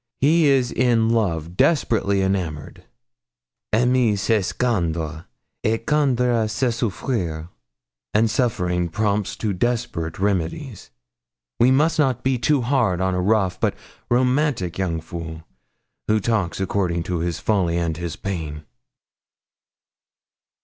He is in love desperately enamoured. Aimer c'est craindre, et craindre c'est souffrir. And suffering prompts to desperate remedies. We must not be too hard on a rough but romantic young fool, who talks according to his folly and his pain.'